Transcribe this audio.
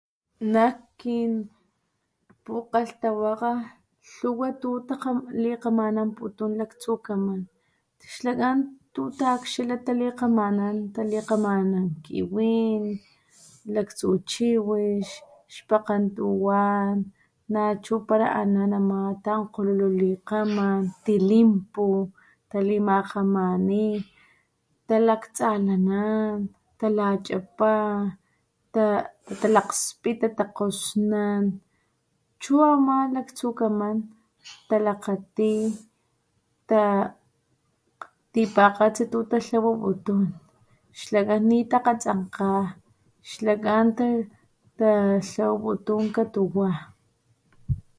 Nak kinpukgalhtawakga lhuwa tu talikgamanaputun laktsukaman xlakan tu taakxila talikkgamanan, talikgamanan kiwin, laktsu chiwix xpakgen tuwan nachu pala anan ama tankgololo likgaman, tilinpu talimakgamani, talaktsalanan, talachapa talalakgspita, takgosnan, chu ama laktsukaman talakgati tipakgatsi tu tatlawaputun xlakan nitakgatsanka, xlakan tatlawaputun katuwa